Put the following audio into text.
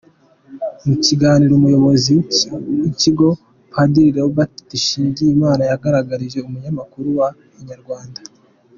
Mu kiganiro n’umuyobozi w’ikigo, Padiri Lambert Dusingizimana, yagaragarije umunyamakuru wa Inyarwanda.